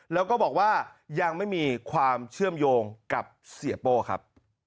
แล้วก็บอกว่ายังไม่มีความเชื่อมโยงกับเสียโป้ครับ